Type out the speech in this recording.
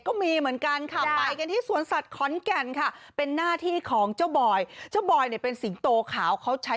ก็มีเหมือนกันค่ะ